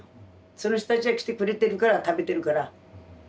その人たちが来てくれてるから食べてるから。